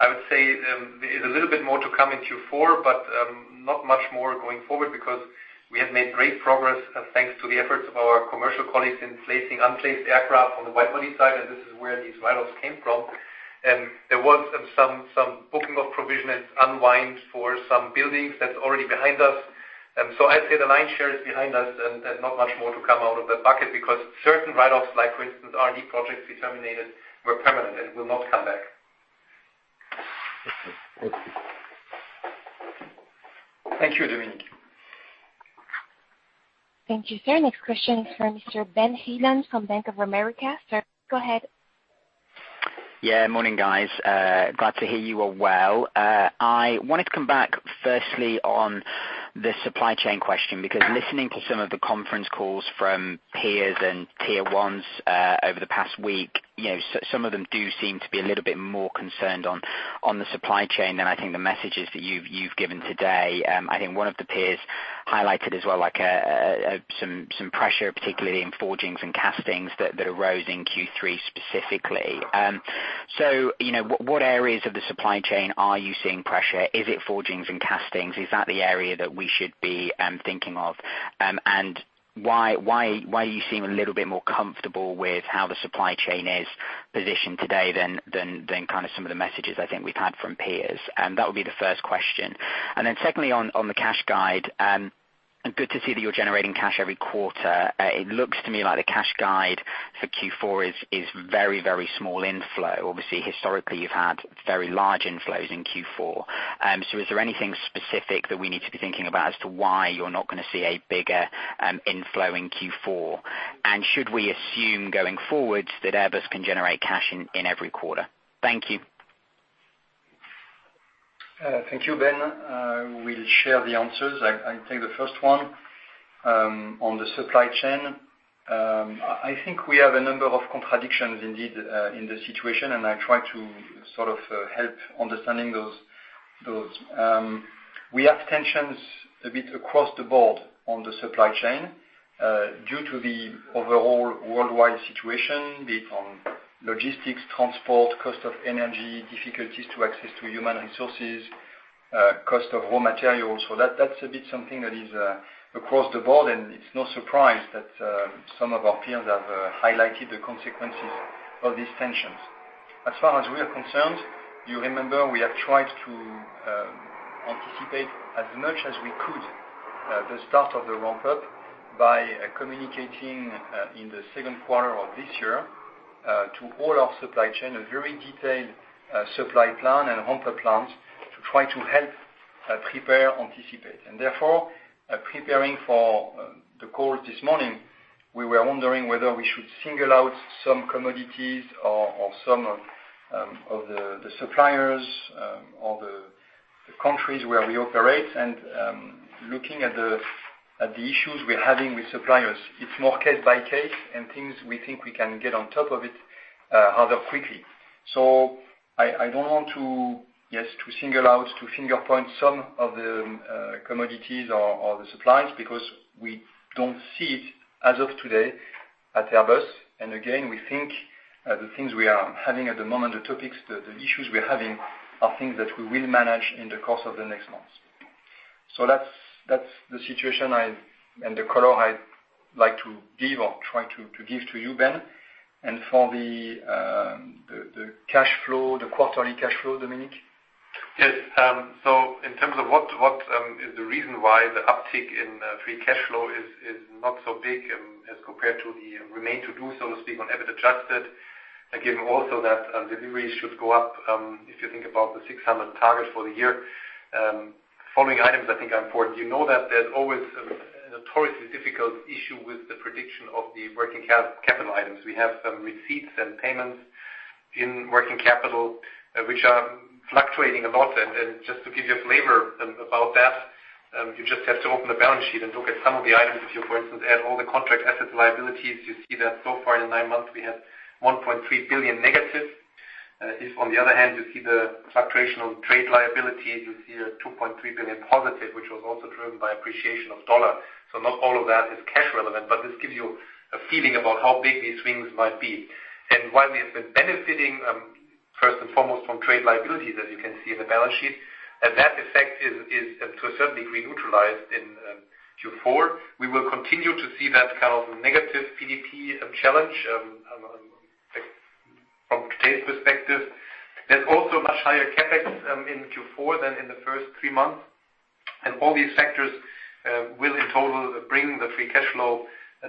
I would say there is a little bit more to come in Q4, but not much more going forward because we have made great progress thanks to the efforts of our commercial colleagues in placing unplaced aircraft on the wide-body side, and this is where these write-offs came from. There was some booking of provision unwind for some buildings that's already behind us. I'd say the lion's share is behind us and not much more to come out of that bucket because certain write-offs, like for instance, R&D projects we terminated, were permanent and will not come back. Okay. Thank you. Thank you, Dominik. Thank you, sir. Next question is from Mr. Benjamin Heelan from Bank of America. Sir, go ahead. Yeah, morning, guys. Glad to hear you are well. I wanted to come back firstly on the supply chain question, because listening to some of the conference calls from peers and tier ones over the past week, you know, some of them do seem to be a little bit more concerned on the supply chain than I think the messages that you've given today. I think one of the peers highlighted as well, like some pressure, particularly in forgings and castings that arose in Q3 specifically. You know, what areas of the supply chain are you seeing pressure? Is it forgings and castings? Is that the area that we should be thinking of? Why do you seem a little bit more comfortable with how the supply chain is positioned today than kind of some of the messages I think we've had from peers? That would be the first question. Then secondly, on the cash guide, good to see that you're generating cash every quarter. It looks to me like the cash guide for Q4 is very small inflow. Obviously, historically, you've had very large inflows in Q4. So is there anything specific that we need to be thinking about as to why you're not gonna see a bigger inflow in Q4? Should we assume going forward that Airbus can generate cash in every quarter? Thank you. Thank you, Ben. We'll share the answers. I take the first one on the supply chain. I think we have a number of contradictions indeed in the situation, and I try to sort of help understanding those. We have tensions a bit across the board on the supply chain due to the overall worldwide situation, be it on logistics, transport, cost of energy, difficulties to access to human resources, cost of raw materials. That's a bit something that is across the board, and it's no surprise that some of our peers have highlighted the consequences of these tensions. As far as we are concerned, you remember we have tried to anticipate as much as we could the start of the ramp-up by communicating in the second quarter of this year to all our supply chain a very detailed supply plan and ramp-up plans to try to help prepare, anticipate. Therefore, preparing for the call this morning, we were wondering whether we should single out some commodities or some of the suppliers or the countries where we operate. Looking at the issues we're having with suppliers, it's more case by case and things we think we can get on top of it rather quickly. I don't want to single out or finger point some of the commodities or the suppliers because we don't see it as of today at Airbus. We think the things we are having at the moment, the topics, the issues we're having are things that we will manage in the course of the next months. That's the situation and the color I'd like to give or try to give to you, Ben. For the cash flow, the quarterly cash flow, Dominik? Yes. In terms of what is the reason why the uptick in free cash flow is not so big as compared to the remaining to do, so to speak, on EBIT Adjusted, again, also that deliveries should go up if you think about the 600 target for the year. The following items I think are important. You know that there's always a notoriously difficult issue with the prediction of the working capital items. We have some receipts and payments in working capital which are fluctuating a lot. Just to give you a flavor about that, you just have to open the balance sheet and look at some of the items. If you, for instance, add all the contract assets and liabilities, you see that so far in nine months, we have negative 1.3 billion. If on the other hand, you see the fluctuation on trade liability, you see a 2.3 billion positive, which was also driven by appreciation of dollar. Not all of that is cash relevant, but this gives you a feeling about how big these swings might be. While we have been benefiting, first and foremost, from trade liabilities, as you can see in the balance sheet, that effect is to a certain degree neutralized in Q4. We will continue to see that kind of negative PDP challenge, like from today's perspective. There's also much higher CapEx in Q4 than in the first three months. All these factors will in total bring the free cash flow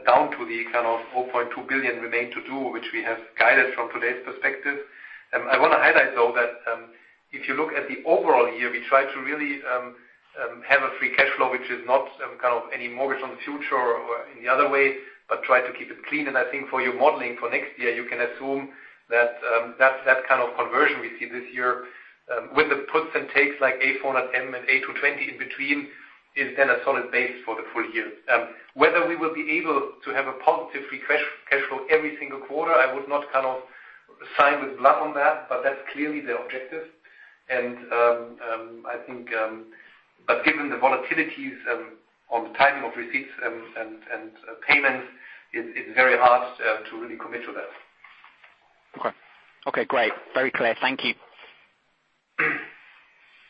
down to the kind of 4.2 billion remain to do, which we have guided from today's perspective. I wanna highlight though that, if you look at the overall year, we try to really have a free cash flow, which is not kind of any mortgage on the future or any other way, but try to keep it clean. I think for your modeling for next year, you can assume that that kind of conversion we see this year with the puts and takes like A400M and A220 in between is then a solid base for the full year. Whether we will be able to have a positive free cash flow every single quarter, I would not kind of sign with blood on that, but that's clearly the objective. Given the volatilities on the timing of receipts and payments, it's very hard to really commit to that. Okay. Okay, great. Very clear. Thank you.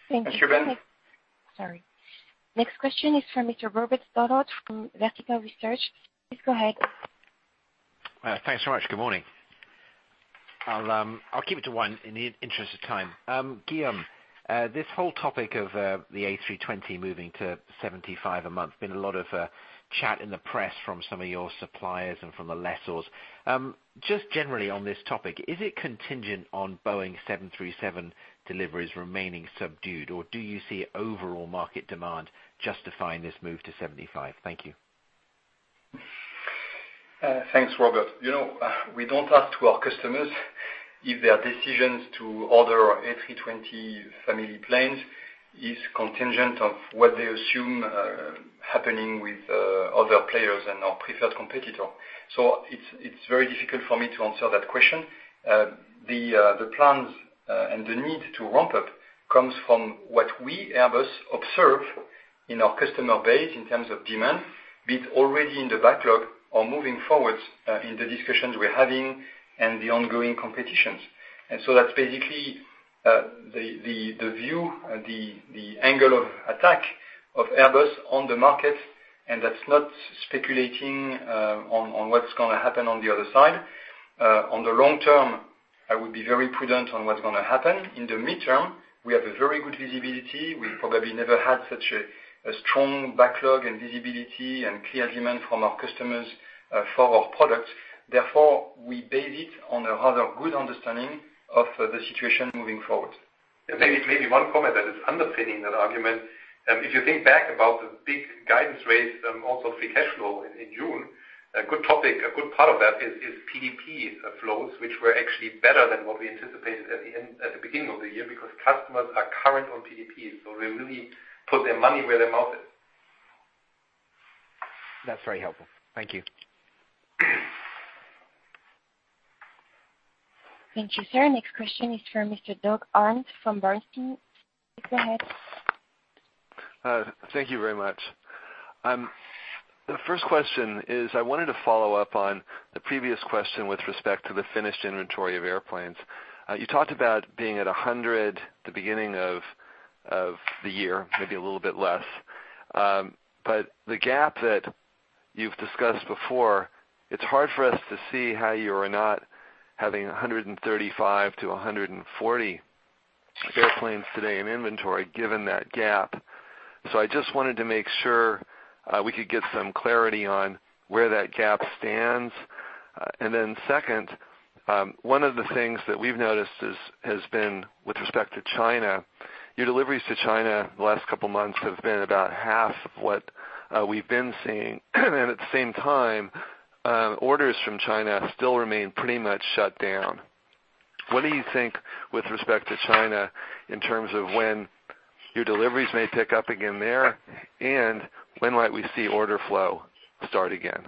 Thanks, Trevor. Thank you very much. Sorry. Next question is from Mr. Robert Stallard from Vertical Research. Please go ahead. Thanks so much. Good morning. I'll keep it to one in the interest of time. Guillaume, this whole topic of the A320 moving to 75 a month, been a lot of chat in the press from some of your suppliers and from the lessors. Just generally on this topic, is it contingent on Boeing 737 deliveries remaining subdued, or do you see overall market demand justifying this move to 75? Thank you. Thanks, Robert. You know, we don't ask our customers if their decisions to order A320 Family planes is contingent on what they assume happening with other players and our preferred competitor. It's very difficult for me to answer that question. The plans and the need to ramp up comes from what we Airbus observe in our customer base in terms of demand, be it already in the backlog or moving forward in the discussions we're having and the ongoing competitions. That's basically the view, the angle of attack of Airbus on the market, and that's not speculating on what's gonna happen on the other side. On the long term, I would be very prudent on what's gonna happen. In the midterm, we have a very good visibility. We probably never had such a strong backlog and visibility and clear demand from our customers for our products. Therefore, we base it on a rather good understanding of the situation moving forward. Maybe one comment that is underpinning that argument, if you think back about the big guidance raise, also free cash flow in June, a good topic, a good part of that is PDP flows, which were actually better than what we anticipated at the beginning of the year because customers are current on PDPs, so they really put their money where their mouth is. That's very helpful. Thank you. Thank you, sir. Next question is for Mr. Doug Harned from Bernstein. Please go ahead. Thank you very much. The first question is, I wanted to follow up on the previous question with respect to the finished inventory of airplanes. You talked about being at 100 the beginning of the year, maybe a little bit less. The gap that you've discussed before, it's hard for us to see how you are not having 135 to 140 airplanes today in inventory given that gap. I just wanted to make sure we could get some clarity on where that gap stands. Second, one of the things that we've noticed has been with respect to China, your deliveries to China the last couple months have been about half of what we've been seeing. At the same time, orders from China still remain pretty much shut down. What do you think with respect to China in terms of when your deliveries may pick up again there? When might we see order flow start again?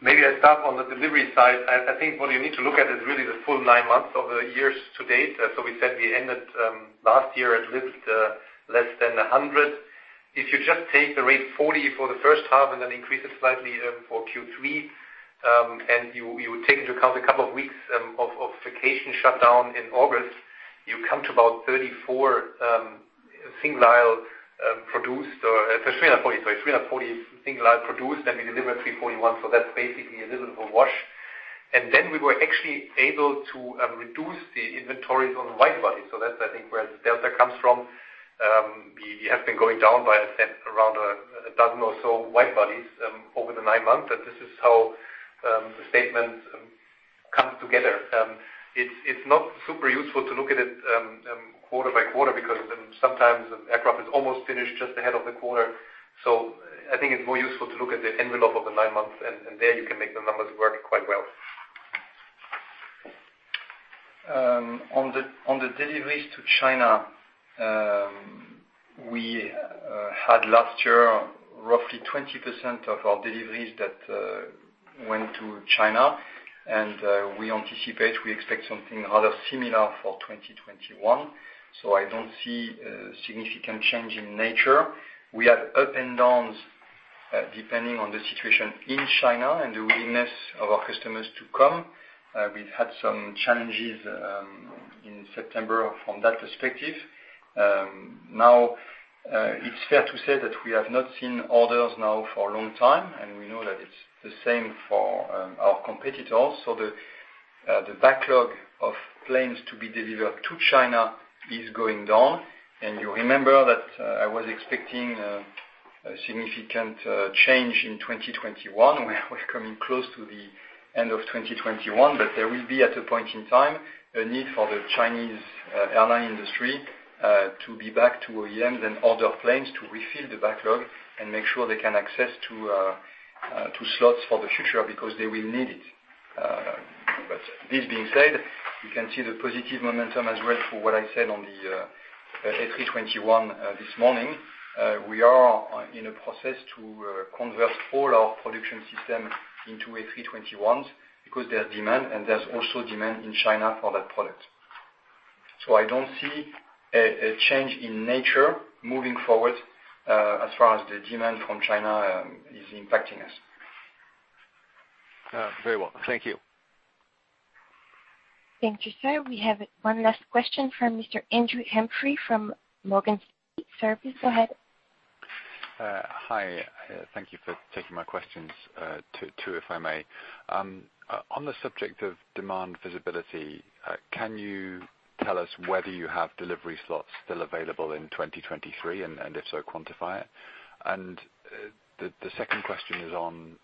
Maybe I start on the delivery side. I think what you need to look at is really the full ni months of the year to date. We said we ended last year at least less than 100. If you just take the rate 40 for the first half and then increase it slightly for Q3 and you take into account a couple of weeks of vacation shutdown in August, you come to about 34 single-aisle, 340 single-aisle produced, and we delivered 341, so that's basically a little bit of a wash. Then we were actually able to reduce the inventories on wide-body. That's, I think, where the delta comes from. We have been going down by, I said, around 12 or so wide bodies over the nine months, and this is how the statement comes together. It's not super useful to look at it quarter by quarter because then sometimes aircraft is almost finished just ahead of the quarter. I think it's more useful to look at the envelope of the nine months, and there you can make the numbers work quite well. On the deliveries to China, we had last year roughly 20% of our deliveries that went to China, and we anticipate we expect something rather similar for 2021. I don't see a significant change in nature. We have ups and downs depending on the situation in China and the willingness of our customers to come. We've had some challenges in September from that perspective. Now it's fair to say that we have not seen orders now for a long time, and we know that it's the same for our competitors. The backlog of planes to be delivered to China is going down. You remember that I was expecting a significant change in 2021. We're coming close to the end of 2021, but there will be at a point in time a need for the Chinese airline industry to be back to OEM, then order planes to refill the backlog and make sure they can access to two slots for the future because they will need it. This being said, you can see the positive momentum as well for what I said on the A321 this morning. We are in a process to convert all our production system into A321s because there's demand and there's also demand in China for that product. I don't see a change in nature moving forward as far as the demand from China is impacting us. Very well. Thank you. Thank you, sir. We have one last question from Mr. Andrew Humphrey from Morgan Stanley. Sir, please go ahead. Hi. Thank you for taking my questions. Two, if I may. On the subject of demand visibility, can you tell us whether you have delivery slots still available in 2023, and if so, quantify it? The second question is on,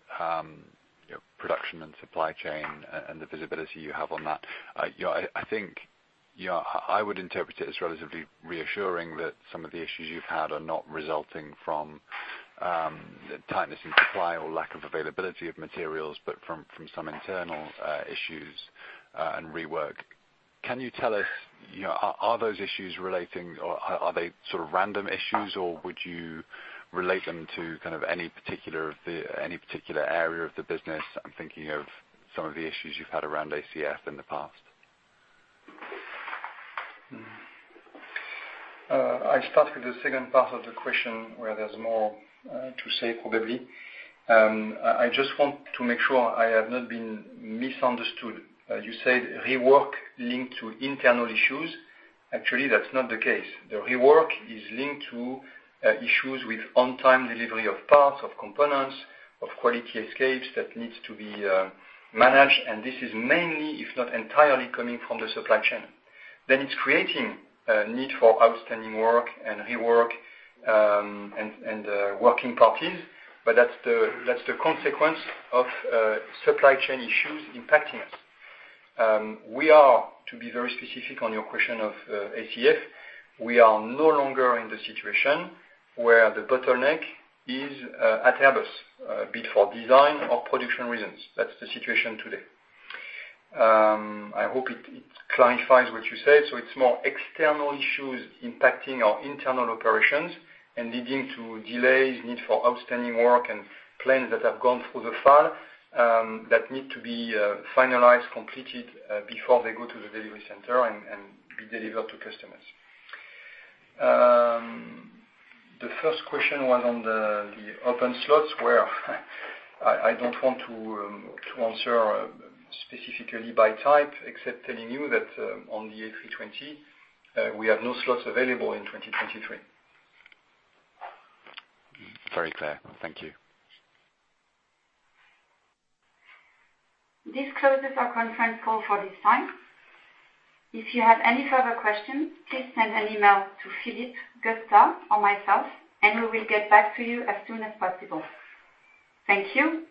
you know, production and supply chain and the visibility you have on that. You know, I think, you know, I would interpret it as relatively reassuring that some of the issues you've had are not resulting from tightness in supply or lack of availability of materials, but from some internal issues and rework. Can you tell us, you know, are those issues relating or are they sort of random issues, or would you relate them to kind of any particular area of the business? I'm thinking of some of the issues you've had around ACF in the past. I'll start with the second part of the question, where there's more to say probably. I just want to make sure I have not been misunderstood. You said rework linked to internal issues. Actually, that's not the case. The rework is linked to issues with on-time delivery of parts, of components, of quality escapes that needs to be managed, and this is mainly, if not entirely, coming from the supply chain. It's creating a need for outstanding work and rework and working parties, but that's the consequence of supply chain issues impacting us. We are, to be very specific on your question of ACF, we are no longer in the situation where the bottleneck is at Airbus, be it for design or production reasons. That's the situation today. I hope it clarifies what you said. It's more external issues impacting our internal operations and leading to delays, need for outstanding work, and planes that have gone through the FAL that need to be finalized, completed, before they go to the delivery center and be delivered to customers. The first question was on the open slots where I don't want to answer specifically by type, except telling you that on the A320 we have no slots available in 2023. Very clear. Thank you. This closes our conference call for this time. If you have any further questions, please send an email to Philip, Gustav, or myself, and we will get back to you as soon as possible. Thank you,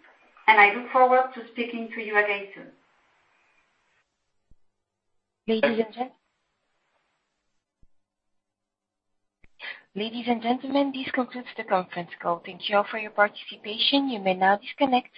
and I look forward to speaking to you again soon. Ladies and gentlemen, this concludes the conference call. Thank you all for your participation. You may now disconnect.